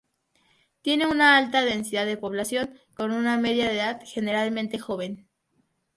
Tiene una alta densidad de población, con una media de edad generalmente joven.